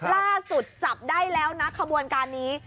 ล่าสุดจับได้แล้วนะขบวนการนี้